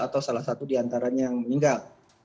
atau salah satu diantaranya yang meninggal